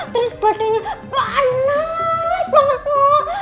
terus badannya panas banget bu